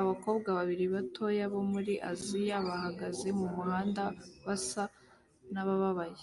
Abakobwa babiri batoya bo muri Aziya bahagaze mumuhanda basa nabababaye